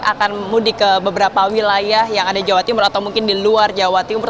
akan mudik ke beberapa wilayah yang ada di jawa timur atau mungkin di luar jawa timur